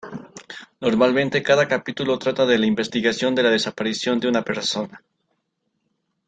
Normalmente cada capítulo trata de la investigación de la desaparición de una persona.